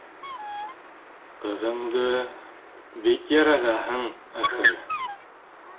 Ҡыҙыңды... бик ярағаһың, ахыры...